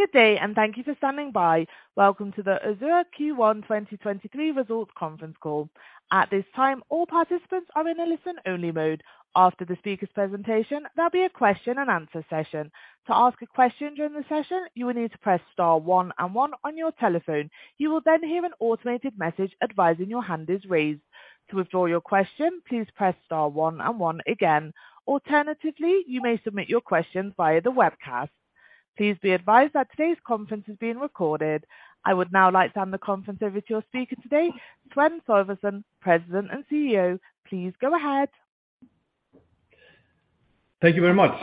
Good day. Thank you for standing by. Welcome to the Össur Q1 2023 Results Conference Call. At this time, all participants are in a listen-only mode. After the speaker's presentation, there'll be a question and-answer session. To ask a question during the session, you will need to press star one and one on your telephone. You will then hear an automated message advising your hand is raised. To withdraw your question, please press star one and one again. Alternatively, you may submit your questions via the webcast. Please be advised that today's conference is being recorded. I would now like to hand the conference over to your speaker today, Sveinn Sölvason, President and CEO. Please go ahead. Thank you very much.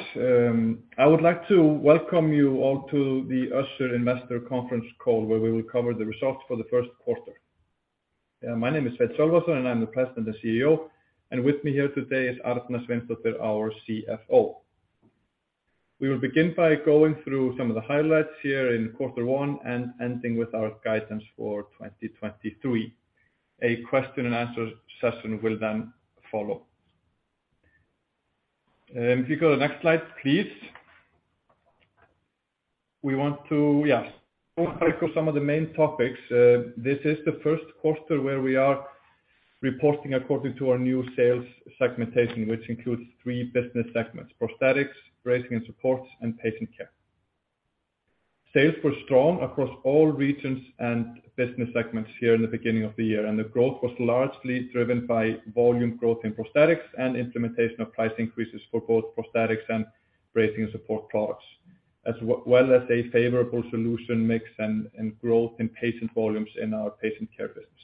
I would like to welcome you all to the Össur Investor Conference Call, where we will cover the results for the first quarter. My name is Sveinn Sölvason, and I'm the President and CEO. With me here today is Arna Sveinsdottir, our CFO. We will begin by going through some of the highlights here in quarter one and ending with our guidance for 2023. A question and answer session will then follow. If you go to next slide, please. Yes. Go through some of the main topics. This is the first quarter where we are reporting according to our new sales segmentation, which includes three business segments: Prosthetics, Bracing & Supports, and Patient Care. Sales were strong across all regions and business segments here in the beginning of the year. The growth was largely driven by volume growth in Prosthetics and implementation of price increases for both Prosthetics and Bracing & Supports products, as well as a favorable solution mix and growth in Patient Care business.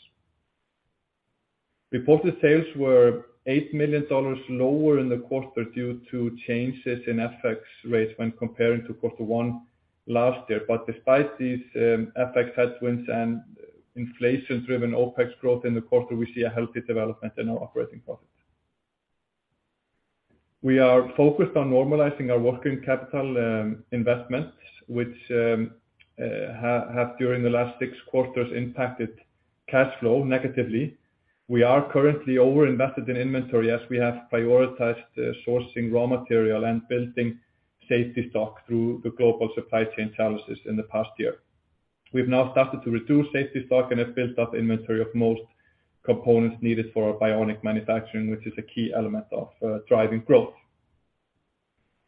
Reported sales were $8 million lower in the quarter due to changes in FX rates when comparing to quarter one last year. Despite these FX headwinds and inflation-driven OPEX growth in the quarter, we see a healthy development in our operating profit. We are focused on normalizing our working capital investments, which have during the last six quarters impacted cash flow negatively. We are currently over-invested in inventory as we have prioritized sourcing raw material and building safety stock through the global supply chain challenges in the past year. We've now started to reduce safety stock and have built up inventory of most components needed for our bionic manufacturing, which is a key element of driving growth.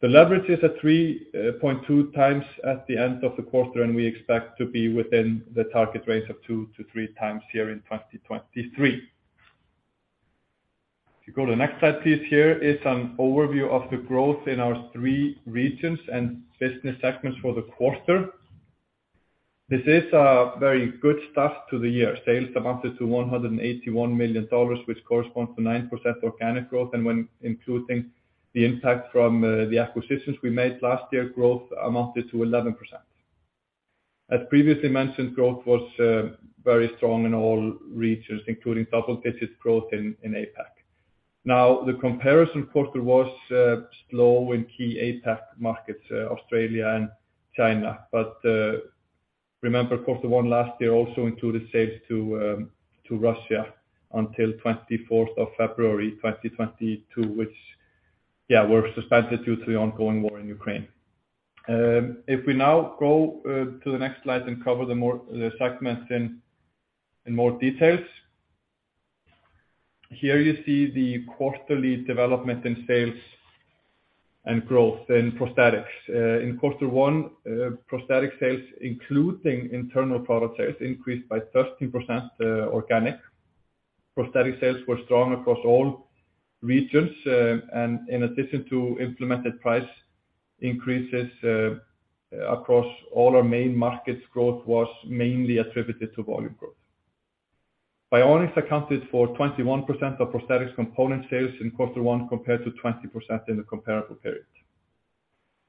The leverage is at 3.2x at the end of the quarter. We expect to be within the target range of two to 3x here in 2023. If you go to the next slide, please. Here is an overview of the growth in our three regions and business segments for the quarter. This is a very good start to the year. Sales amounted to $181 million, which corresponds to 9% organic growth. When including the impact from the acquisitions we made last year, growth amounted to 11%. As previously mentioned, growth was very strong in all regions, including double-digit growth in APAC. The comparison quarter was slow in key APAC markets, Australia and China. Remember, quarter one last year also included sales to Russia until 24th of February 2022, which were suspended due to the ongoing war in Ukraine. If we now go to the next slide and cover the segments in more details. Here you see the quarterly development in sales and growth in Prosthetics. In quarter one, Prosthetic sales, including internal product sales, increased by 13% organic. Prosthetic sales were strong across all regions. In addition to implemented price increases, across all our main markets, growth was mainly attributed to volume growth. Bionics accounted for 21% of prosthetics component sales in quarter one, compared to 20% in the comparable period.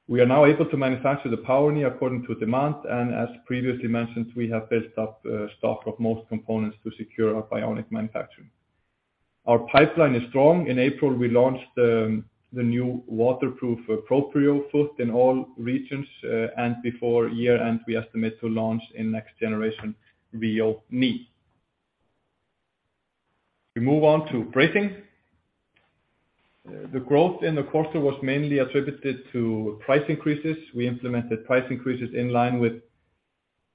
We are now able to manufacture the Power Knee according to demand, and as previously mentioned, we have built up stock of most components to secure our bionic manufacturing. Our pipeline is strong. In April, we launched the new waterproof Proprio Foot in all regions. Before year-end, we estimate to launch in next generation RHEO KNEE. We move on to bracing. The growth in the quarter was mainly attributed to price increases. We implemented price increases in line with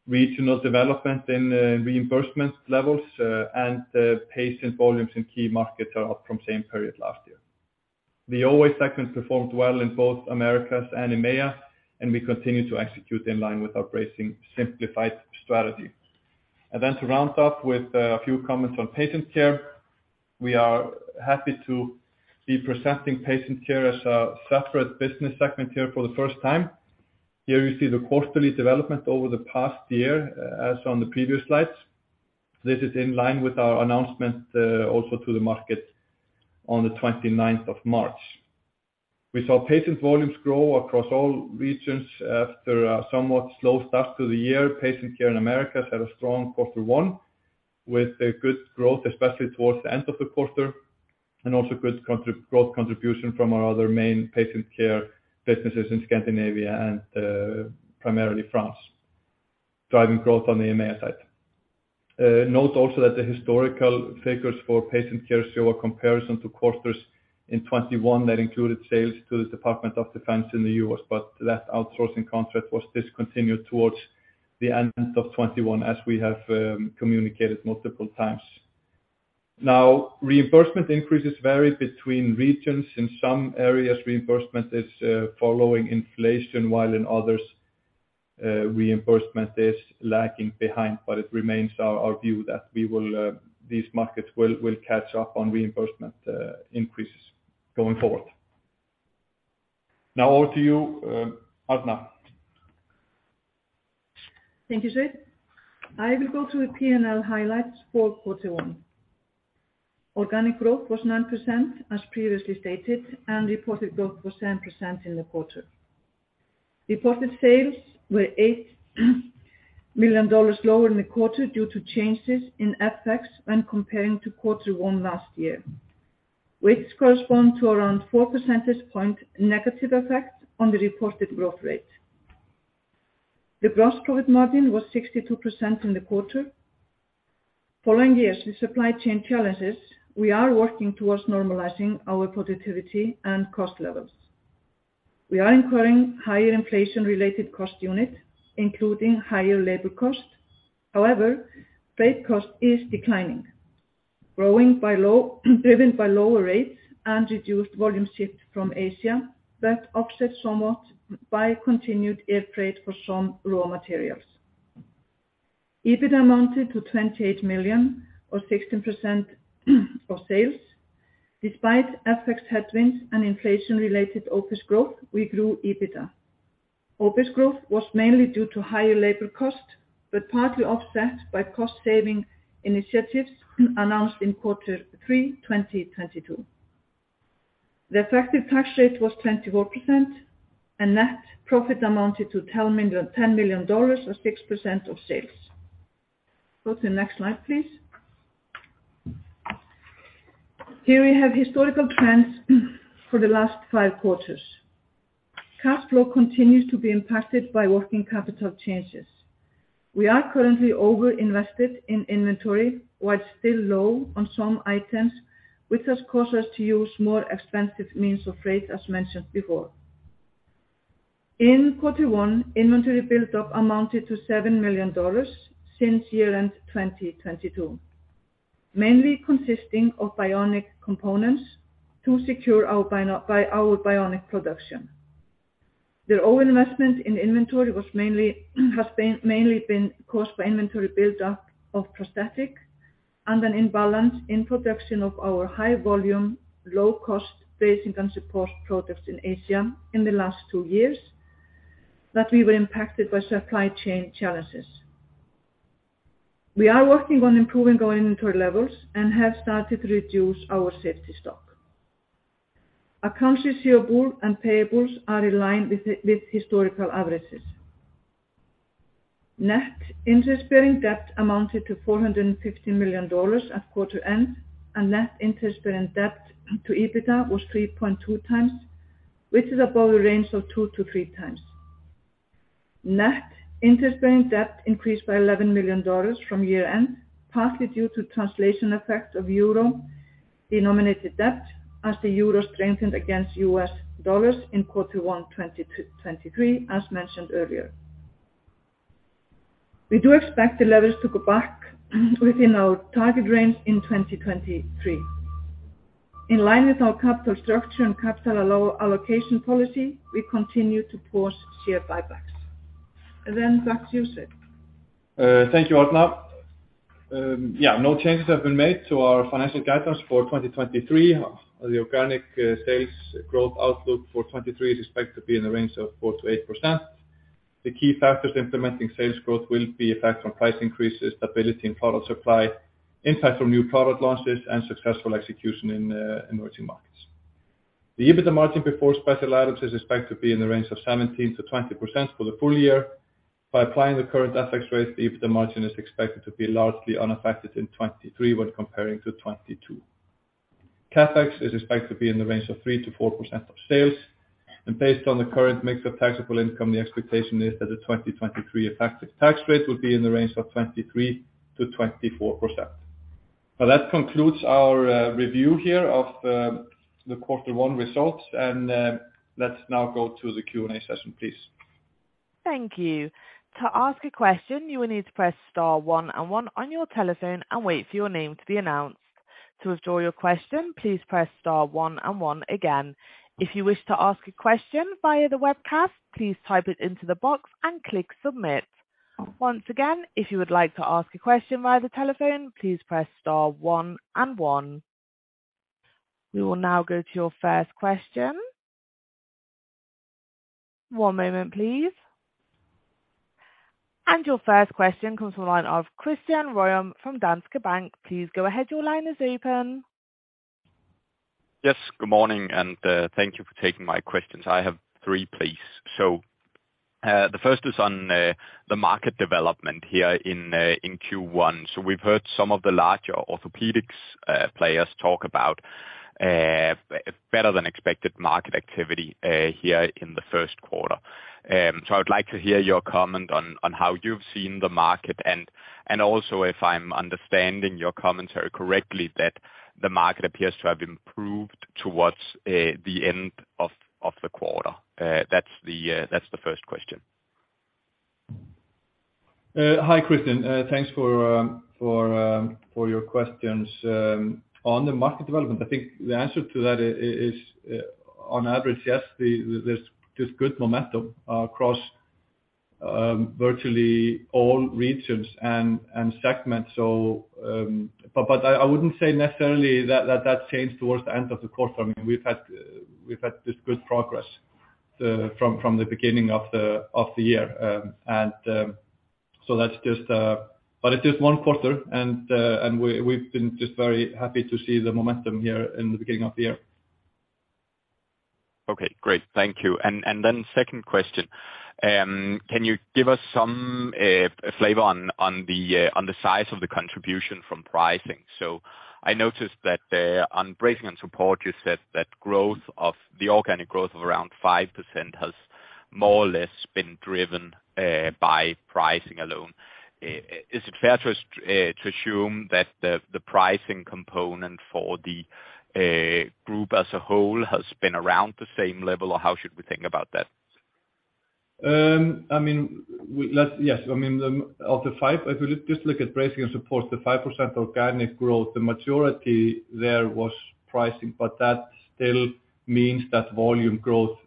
regional development in reimbursement levels, and patient volumes in key markets are up from same period last year. The OA segment performed well in both Americas and EMEA. We continue to execute in line with our Bracing Simplified strategy. Then to round up with a few comments on Patient Care, we are happy to be presenting Patient Care as a separate business segment here for the first time. Here you see the quarterly development over the past year, as on the previous slides. This is in line with our announcement also to the market on the 29th of March. We saw patient volumes grow across all regions after a somewhat slow start to the year. Patient Care in Americas had a strong quarter one with a good growth, especially towards the end of the quarter, and also good growth contribution from our other main Patient Care businesses in Scandinavia and primarily France, driving growth on the EMEA side. Note also that the historical figures for Patient Care show a comparison to quarters in 2021 that included sales to the Department of Defense in the U.S., but that outsourcing contract was discontinued towards the end of 2021, as we have communicated multiple times. Reimbursement increases vary between regions. In some areas, reimbursement is following inflation, while in others, reimbursement is lagging behind. It remains our view that we will these markets will catch up on reimbursement increases going forward. Over to you, Arna. Thank you, Sveinn. I will go through the P&L highlights for quarter one. Organic growth was 9% as previously stated. Reported growth was 10% in the quarter. Reported sales were $8 million lower in the quarter due to changes in FX when comparing to quarter one last year, which correspond to around 4 percentage point negative effect on the reported growth rate. The gross profit margin was 62% in the quarter. Following years with supply chain challenges, we are working towards normalizing our productivity and cost levels. We are incurring higher inflation related cost unit, including higher labor cost. Freight cost is declining, driven by lower rates and reduced volume shipped from Asia, but offset somewhat by continued air freight for some raw materials. EBITDA amounted to $28 million or 16% of sales. Despite FX headwinds and inflation-related OpEx growth, we grew EBITDA. OpEx growth was mainly due to higher labor cost, partly offset by cost saving initiatives announced in quarter three, 2022. The effective tax rate was 24%. Net profit amounted to $10 million or 6% of sales. Go to the next slide, please. Here we have historical trends for the last five quarters. Cash flow continues to be impacted by working capital changes. We are currently over-invested in inventory while still low on some items, which has caused us to use more expensive means of freight as mentioned before. In quarter one, inventory buildup amounted to $7 million since year-end 2022, mainly consisting of bionic components to secure our bionic production. The overinvestment in inventory has been mainly caused by inventory buildup of prosthetic and an imbalance in production of our high volume, low-cost bracing and support products in Asia in the last two years, that we were impacted by supply chain challenges. We are working on improving our inventory levels and have started to reduce our safety stock. Accounts receivable and payables are in line with historical averages. Net interest-bearing debt amounted to $450 million at quarter end, and net interest-bearing debt to EBITDA was 3.2x, which is above the range of 2-3x. Net interest-bearing debt increased by $11 million from year-end, partly due to translation effects of euro-denominated debt as the euro strengthened against US dollars in Q1 2023, as mentioned earlier. We do expect the levels to go back within our target range in 2023. In line with our capital structure and capital allocation policy, we continue to pause share buybacks. Back to you, Sveinn. Thank you, Arna. No changes have been made to our financial guidance for 2023. The organic sales growth outlook for 23 is expected to be in the range of 4%-8%. The key factors implementing sales growth will be effect from price increases, stability in product supply, impact from new product launches, and successful execution in emerging markets. The EBITDA margin before special items is expected to be in the range of 17%-20% for the full year. By applying the current FX rate, the EBITDA margin is expected to be largely unaffected in 23 when comparing to 22. CapEx is expected to be in the range of 3%-4% of sales. Based on the current mix of taxable income, the expectation is that the 2023 effective tax rate will be in the range of 23%-24%. That concludes our review here of the Q1 results. Let's now go to the Q&A session, please. Thank you. To ask a question, you will need to press star one and one on your telephone and wait for your name to be announced. To withdraw your question, please press star one and one again. If you wish to ask a question via the webcast, please type it into the box and click submit. Once again, if you would like to ask a question via the telephone, please press star one and one. We will now go to your first question. One moment, please. Your first question comes from the line of Christian Ryom from Danske Bank. Please go ahead. Your line is open. Good morning, and thank you for taking my questions. I have three, please. The first is on the market development here in Q1. We've heard some of the larger orthopedics players talk about better than expected market activity, here in the first quarter. I would like to hear your comment on how you've seen the market and, also if I'm understanding your commentary correctly, that the market appears to have improved towards the end of the quarter. That's the first question. Hi, Christian. Thanks for your questions. On the market development, I think the answer to that is on average, yes, there's good momentum across virtually all regions and segments. But I wouldn't say necessarily that changed towards the end of the quarter. I mean, we've had this good progress from the beginning of the year. It is one quarter, and we've been just very happy to see the momentum here in the beginning of the year. Okay, great. Thank you. Then second question. Can you give us some flavor on the, on the size of the contribution from pricing? I noticed that, on Bracing & Supports, you said that the organic growth of around 5% has more or less been driven by pricing alone. Is it fair to assume that the pricing component for the, group as a whole has been around the same level, or how should we think about that? I mean, Yes. I mean, the, of the five. If you just look at Bracing & Supports, the 5% organic growth, the majority there was pricing, but that still means that volume growth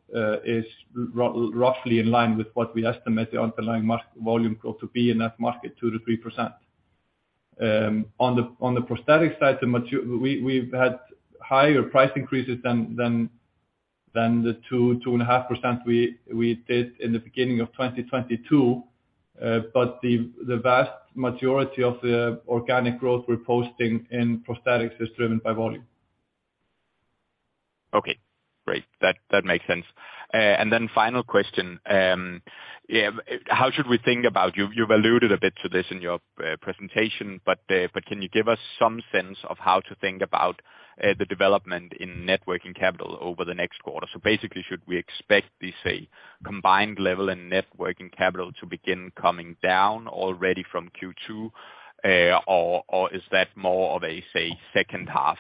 is roughly in line with what we estimate the underlying volume growth to be in that market, 2%-3%. On the, on the Prosthetics side, We've had higher price increases than the 2%, 2.5% we did in the beginning of 2022. The vast majority of the organic growth we're posting in Prosthetics is driven by volume. Okay, great. That makes sense. Final question. How should we think about you've alluded a bit to this in your presentation, but can you give us some sense of how to think about the development in net working capital over the next quarter? Basically, should we expect this, say, combined level in net working capital to begin coming down already from Q2? Or is that more of a, say, second half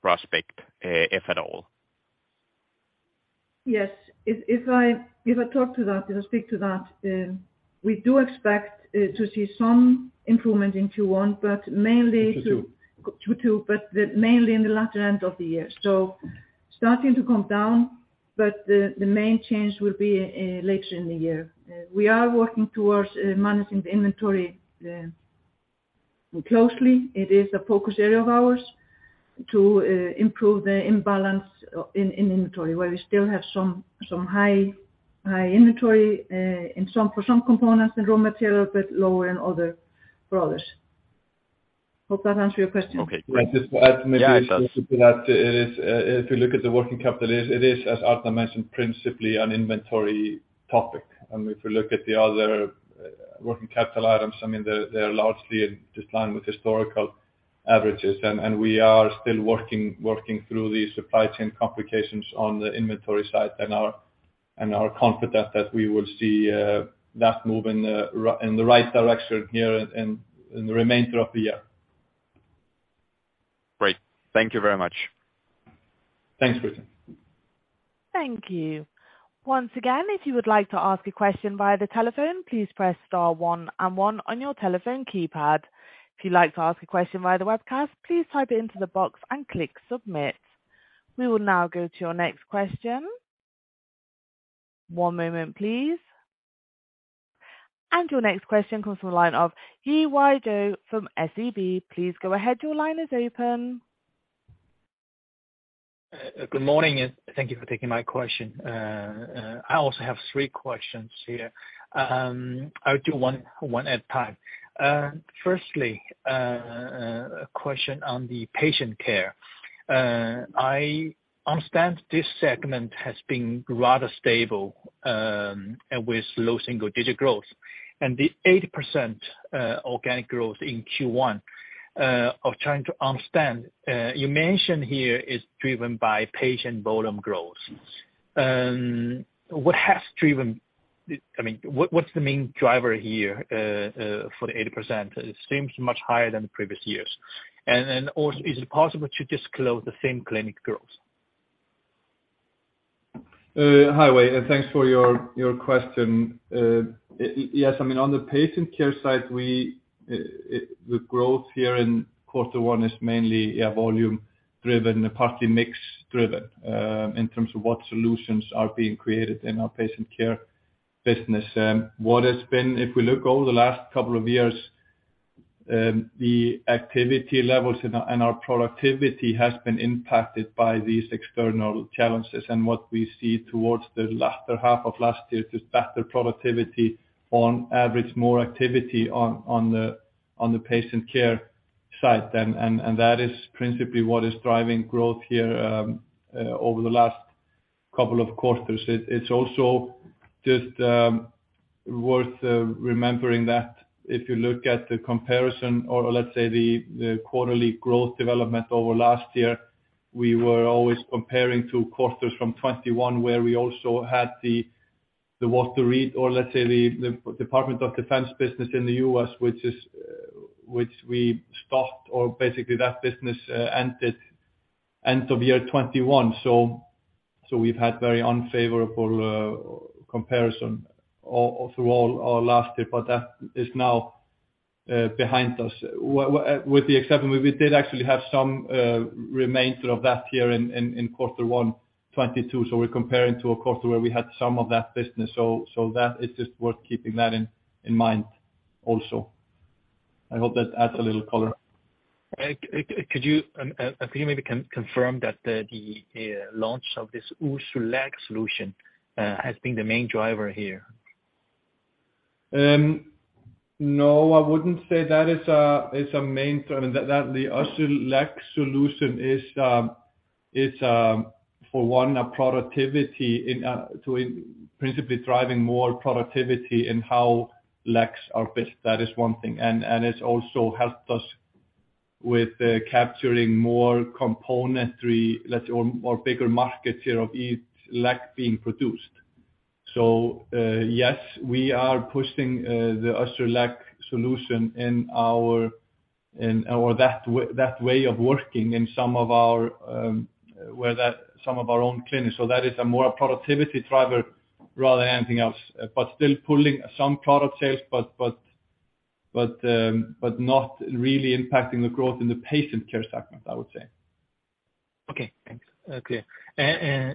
prospect, if at all? Yes. If I speak to that, we do expect to see some improvement in Q one, but mainly. Q2. Q2, but mainly in the latter end of the year. Starting to come down, but the main change will be later in the year. We are working towards managing the inventory closely. It is a focus area of ours to improve the imbalance in inventory, where we still have some high inventory for some components and raw materials, but lower in other products. Hope that answers your question. Okay, great. Can I just add maybe? Yeah, it does. That is, if you look at the working capital, it is, as Arna mentioned, principally an inventory topic. I mean, if you look at the other working capital items, I mean, they're largely in line with historical averages. We are still working through the supply chain complications on the inventory side and are confident that we will see that move in the right direction here in the remainder of the year. Great. Thank you very much. Thanks, Christian. Thank you. Once again, if you would like to ask a question via the telephone, please press star one one on your telephone keypad. If you'd like to ask a question via the webcast, please type it into the box and click submit. We will now go to our next question. One moment, please. Your next question comes from the line of Yiwei Zhou from SEB. Please go ahead. Your line is open. Good morning, thank you for taking my question. I also have three questions here. I'll do one at a time. Firstly, a question on the Patient Care. I understand this segment has been rather stable, with low single-digit growth. The 80% organic growth in Q1, I'm trying to understand. You mentioned here it's driven by patient volume growth. I mean, what's the main driver here for the 80%? It seems much higher than the previous years. Also, is it possible to disclose the same clinic growth? Hi Wei, thanks for your question. Yes. I mean, on the Patient Care side, we, the growth here in quarter one is mainly volume driven, partly mix driven, in terms of what solutions are being created in our Patient Care business. If we look over the last couple of years, the activity levels and our productivity has been impacted by these external challenges. What we see towards the latter half of last year is better productivity on average, more activity on the Patient Care side. That is principally what is driving growth here over the last couple of quarters. It's also just worth remembering that if you look at the comparison or let's say the quarterly growth development over last year, we were always comparing two quarters from 2021, where we also had the Walter Reed or let's say the Department of Defense business in the U.S. which we stopped or basically that business ended end of year 2021. We've had very unfavorable comparison through all our last year, but that is now behind us. With the exception we did actually have some remainder of that year in Q1 2022, so we're comparing to a quarter where we had some of that business. That is just worth keeping that in mind also. I hope that adds a little color. Could you, if you maybe confirm that the launch of this Össur Legs solution has been the main driver here. No, I wouldn't say that is a main, that the Össur Legs solution is for one, a productivity to principally driving more productivity in how legs are fit, that is one thing. it's also helped us with capturing more componentry, let's say, or bigger markets here of each leg being produced. Yes, we are pushing the Össur Legs solution in our that way of working in some of our own clinics. That is a more productivity driver rather than anything else. still pulling some product sales, but not really impacting the growth in the Patient Care segment, I would say. Okay, thanks. Okay. My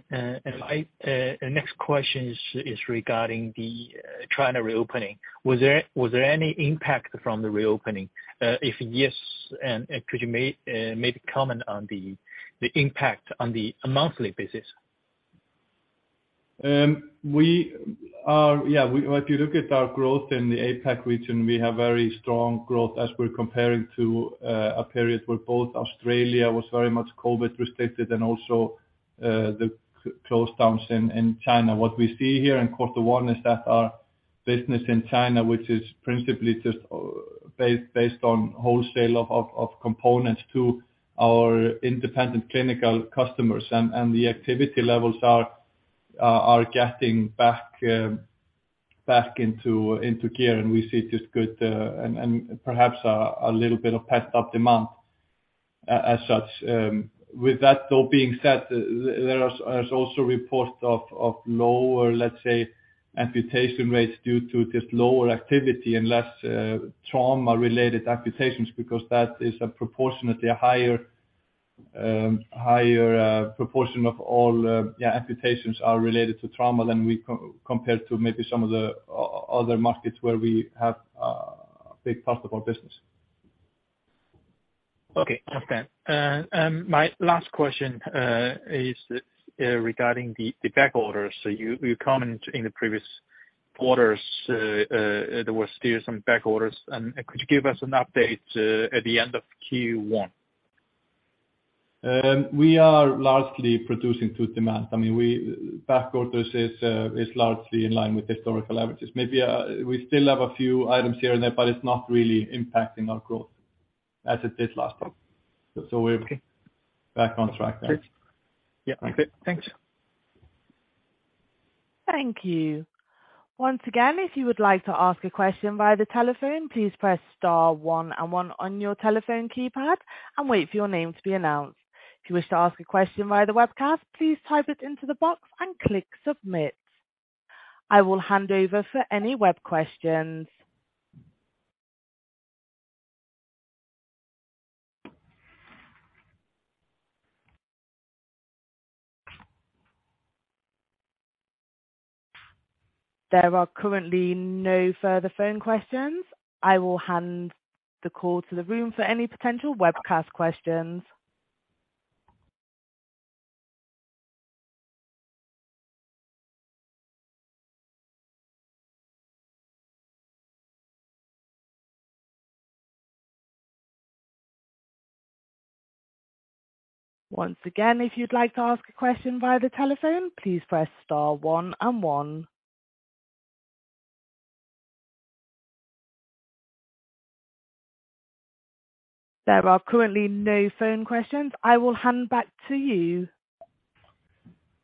next question is regarding the China reopening. Was there any impact from the reopening? If yes, could you make a comment on the impact on the A monthly basis? We are. Yeah. If you look at our growth in the APAC region, we have very strong growth as we're comparing to a period where both Australia was very much COVID-restricted and also the closed towns in China. What we see here in quarter one is that our business in China, which is principally just based on wholesale of components to our independent clinical customers, and the activity levels are getting back into gear and we see just good and perhaps a little bit of pent-up demand as such. With that though being said, there's also reports of lower, let's say, amputation rates due to this lower activity and less trauma-related amputations because that is a proportionately higher proportion of all amputations are related to trauma than we compared to maybe some of the other markets where we have a big part of our business. Okay. Understand. My last question is regarding the backorders. You, you comment in the previous quarters, there were still some backorders. Could you give us an update, at the end of Q1? we are largely producing to demand. I mean, we. Backorders is largely in line with historical averages. Maybe, we still have a few items here and there, but it's not really impacting our growth as it did last time. We're Okay. Back on track. Yeah. Okay, thanks. Thank you. Once again, if you would like to ask a question via the telephone, please press star one one on your telephone keypad and wait for your name to be announced. If you wish to ask a question via the webcast, please type it into the box and click submit. I will hand over for any web questions. There are currently no further phone questions. I will hand the call to the room for any potential webcast questions. Once again, if you'd like to ask a question via the telephone, please press star one one. There are currently no phone questions. I will hand back to you.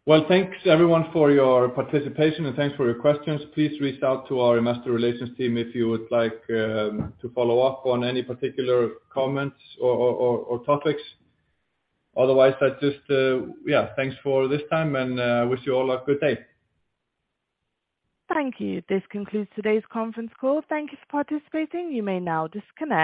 Well, thanks everyone for your participation and thanks for your questions. Please reach out to our investor relations team if you would like to follow up on any particular comments or topics. I just, yeah, thanks for this time and wish you all a good day. Thank you. This concludes today's conference call. Thank you for participating. You may now disconnect.